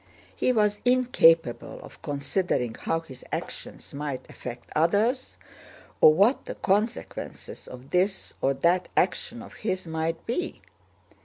He was incapable of considering how his actions might affect others or what the consequences of this or that action of his might be.